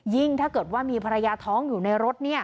ถ้าเกิดว่ามีภรรยาท้องอยู่ในรถ